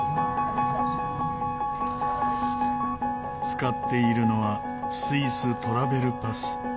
使っているのはスイストラベルパス。